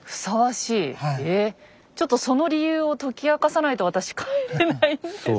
ちょっとその理由を解き明かさないと私帰れないんですが。